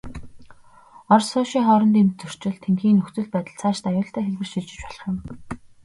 Орос, Польшийн хоорондын зөрчил, тэндхийн нөхцөл байдал, цаашид аюултай хэлбэрт шилжиж болох юм.